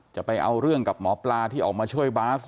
จะเอาเรื่องกับหมอปลาที่ออกมาช่วยบาส